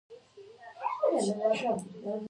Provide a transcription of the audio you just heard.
خلجیان بالاخره څوک دي.